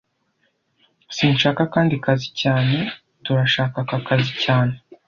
Sinshaka akandi kazi cyane Turashaka aka kazi cyane